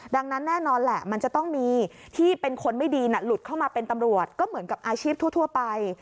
ดังนั้นแน่นอนแหละมันจะต้องมีที่เป็นคนไม่ดีน่ะหลุดเข้ามาเป็นตำรวจก็เหมือนกับอาชีพทั่วไป